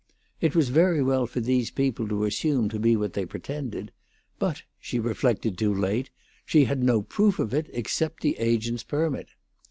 It was very well for these people to assume to be what they pretended; but, she reflected too late, she had no proof of it except the agent's permit.